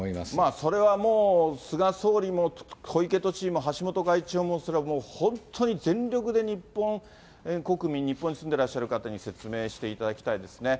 それはもう、菅総理も小池都知事も橋本会長も、それはもう本当に全力で日本国民、日本に住んでらっしゃる方に説明していただきたいですね。